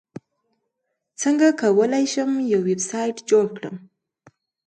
څنګه کولی شم یو ویبسایټ جوړ کړم